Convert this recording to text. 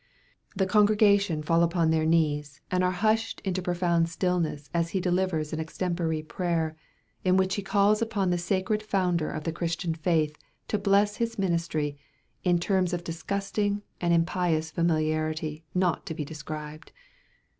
The congregation fall upon their knees, and are hushed into profound stillness as he delivers an extempore prayer, in which he calls upon the Sacred Founder of the Christian faith to bless his ministry, in terms of disgusting and impious familiarity not to be described.